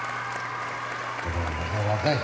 殿はまだお若い。